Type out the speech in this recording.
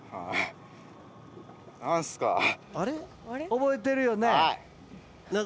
覚えてるよね？